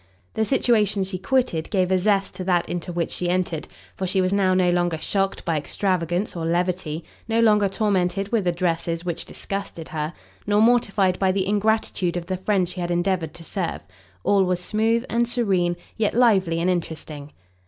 The situation she quitted gave a zest to that into which she entered, for she was now no longer shocked by extravagance or levity, no longer tormented with addresses which disgusted her, nor mortified by the ingratitude of the friend she had endeavoured to serve. All was smooth and serene, yet lively and interesting.